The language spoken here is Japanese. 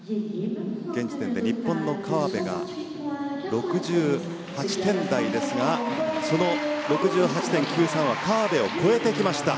現時点で日本の河辺が６８点台ですが６８．９３は河辺を超えてきました。